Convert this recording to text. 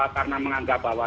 karena menganggap bahwa